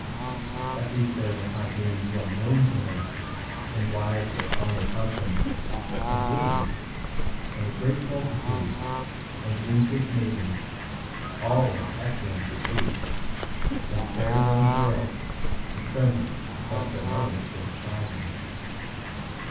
At least there were high dames well known to her, and wives of honored husbands, and widows, a great multitude, and ancient maidens, all of excellent repute, and fair young girls, who trembled lest their mothers should espy them.